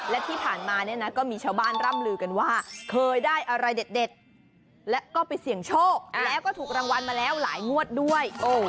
และที่ผ่านมาเนี่ยนะก็มีชาวบ้านร่ำลือกันว่าเคยได้อะไรเด็ดแล้วก็ไปเสี่ยงโชคแล้วก็ถูกรางวัลมาแล้วหลายงวดด้วย